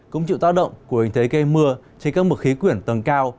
cũng chịu táo động của hình thấy cây mưa trên các mực khí quyển tầng cao